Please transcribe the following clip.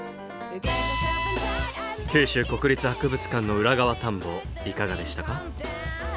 九州国立博物館の裏側探訪いかがでしたか？